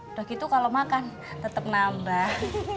udah gitu kalau makan tetap nambah